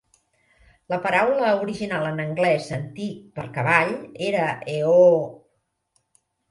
La paraula original en anglès antic per "cavall" era "eoh".